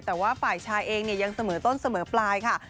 แต่ว่าฝ่ายชายเองยังเสมอต้นเสมอปลายค่ะ